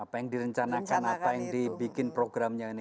apa yang direncanakan apa yang dibikin programnya ini